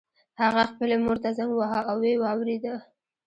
هغه خپلې مور ته زنګ وواهه او ويې واورېده.